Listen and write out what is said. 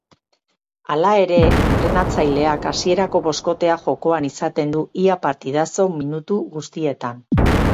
Hala ere, entrenatzaileak hasierako boskotea jokoan izaten du ia partidazo minutu guztietan.